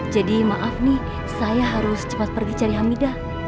jadi maaf nih saya harus cepat pergi cari hamidah